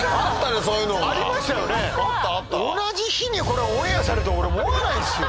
同じ日にこれオンエアされるとは思わないですよ。